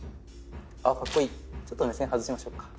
あっカッコいいちょっと目線外しましょうか。